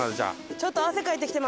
ちょっと汗かいてきてます。